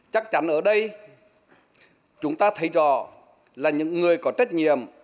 chắc chắn ở đây chúng ta thấy rõ là những người có trách nhiệm